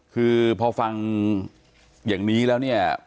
คือพอฟังอย่างนี้แล้ว